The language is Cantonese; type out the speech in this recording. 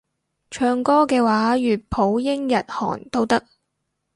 唱歌嘅話粵普英日韓都得